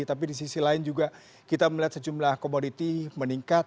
tapi di sisi lain juga kita melihat sejumlah komoditi meningkat